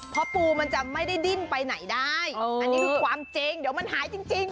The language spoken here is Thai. เพราะปูมันจะไม่ได้ดิ้นไปไหนได้อันนี้คือความจริงเดี๋ยวมันหายจริง